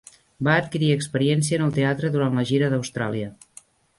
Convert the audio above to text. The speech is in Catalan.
Va adquirir experiència en el teatre durant la gira d'Austràlia.